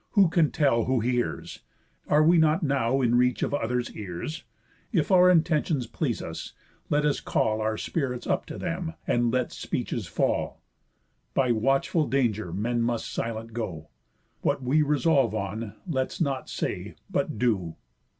Who can tell who hears? Are we not now in reach of others' ears? If our intentions please us, let us call Our spirits up to them, and let speeches fall. By watchful danger men must silent go. What we resolve on, let's not say, but do."